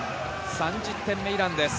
３０点目、イランです。